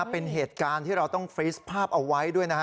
เป็นเหตุการณ์ที่เราต้องฟรีสภาพเอาไว้ด้วยนะฮะ